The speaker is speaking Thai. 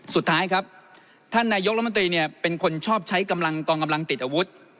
สุดท้ายครับท่านนายกรัฐมนตรีเนี่ยเป็นคนชอบใช้กำลังกองกำลังติดอาวุธ